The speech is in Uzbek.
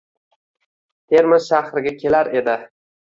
Termiz shahriga kelar edi.